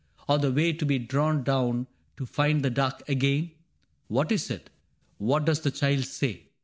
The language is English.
Or the way to be drawn down to find the dark Again ? What is it ? What does the child say